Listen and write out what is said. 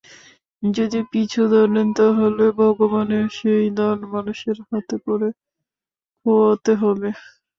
যদি পিছু ধরেন তা হলে ভগবানের সেই দান মানুষের হাতে পড়ে খোওয়াতে হবে।